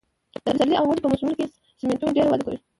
د پسرلي او اوړي په موسمونو کې سېمنټوم ډېره وده کوي